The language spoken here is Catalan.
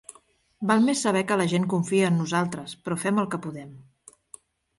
Val més saber que la gent confia en nosaltres, però fem el que podem.